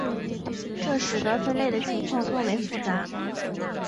这使得分类的情况更为复杂。